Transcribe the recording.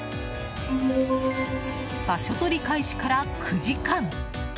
場所取り開始から９時間。